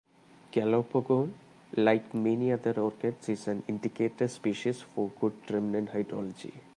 "Calopogon", like many other orchids, is an indicator species for good remnant hydrology.